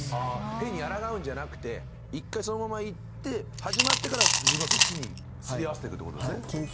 変にあらがうんじゃなくて一回そのままいって始まってから自分をそっちにすり合わせてるって事ですね。